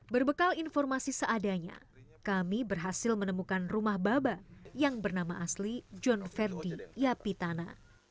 berbekal informasi seadanya kami berhasil menemukan rumah baba yang bernama asli john ferdi yapitana